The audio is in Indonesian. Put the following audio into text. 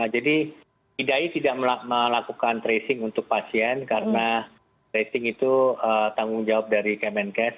jadi idae tidak melakukan tracing untuk pasien karena tracing itu tanggung jawab dari kemenkes